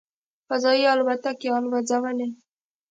"فضايي الوتکې" الوځولې.